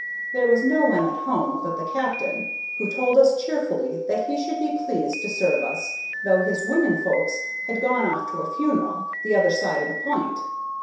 There was no one at home but the captain, who told us cheerfully that he should be pleased to serve us, though his women folks had gone off to a funeral, the other side of the P'int.